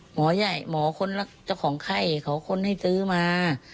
หมอใหญ่หมอคนรักเจ้าของไข้เขาคนให้ซื้อมา